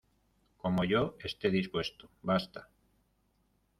como yo esté dispuesto, basta.